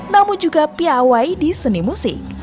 namun juga piawai di seni musik